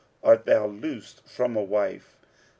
Art thou loosed from a wife?